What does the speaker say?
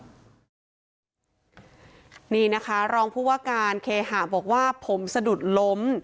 รองผู้วาการเคหาบอกว่าผมสะดุดล้ม